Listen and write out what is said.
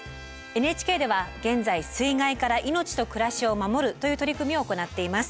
ＮＨＫでは現在「水害から命と暮らしを守る」という取り組みを行っています。